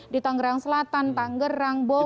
di tangerang selatan tangerang bogor